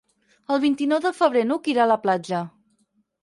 El vint-i-nou de febrer n'Hug irà a la platja.